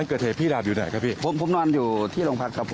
เขาเห็นว่าพี่เคยไปทะเลาะกันจริงไหมครับ